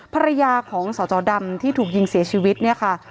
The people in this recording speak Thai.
ภรรยาของสจดำที่ถูกยิงเสียชีวิตเนี่ยค่ะ